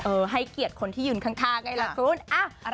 เออให้เกียรติคนที่ยืนข้างไอล่ะคุณอ้าว